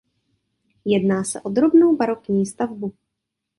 Jedná se o drobnou barokní stavbu.